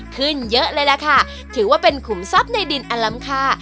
ขึ้นเยอะเลยล่ะค่ะถือว่าเป็นขุมทรัพย์ในดินอลัมคา